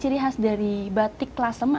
terus saya akan ikut air yangxyy